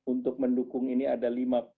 untuk mendukung kesehatan dan mengembangkan kesehatan